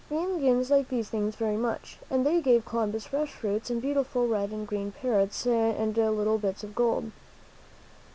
The Indians liked these things very much, and they gave Columbus fresh fruits and beautiful red and green parrots and little bits of gold.